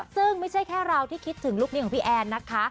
ซึ่งไม่ใช่แค่เราที่คิดถึงลูกนี้ของพี่แอนนะคะ